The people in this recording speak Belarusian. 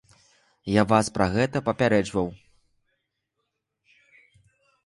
Я вас пра гэта папярэджваў.